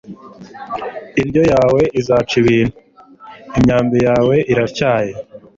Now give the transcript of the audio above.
indyo yawe izaca ibintu, imyambi yawe iratyaye